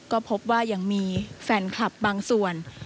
ก็พบว่ายังมีแฟนคลับบางส่วน